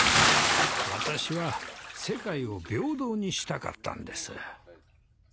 私は世界を平等にしたかったんです。